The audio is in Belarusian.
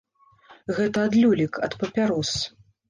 Гэта ад люлек, ад папярос.